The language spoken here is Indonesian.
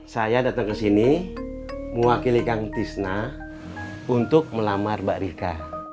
saya datang ke sini mewakili kang tisna untuk melamar mbak rika